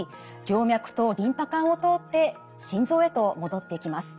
静脈とリンパ管を通って心臓へと戻っていきます。